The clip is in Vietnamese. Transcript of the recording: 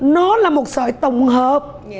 nó là một sợi tổng hợp